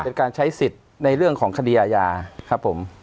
เป็นการใช้สิทธิ์ในเรื่องของคดีอาญาครับผม